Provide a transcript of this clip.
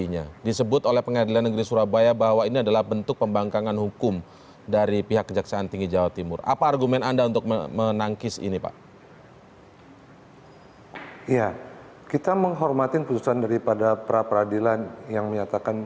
ya kita menghormati keputusan daripada pra peradilan yang menyatakan